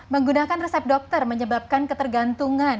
menggunakan resep dokter menyebabkan ketergantungan